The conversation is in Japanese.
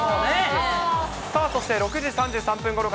さあそして、６時３３分ごろ